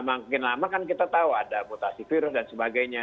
makin lama kan kita tahu ada mutasi virus dan sebagainya